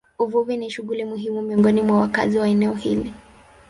Uvuvi ni shughuli muhimu miongoni mwa wakazi wa eneo hili.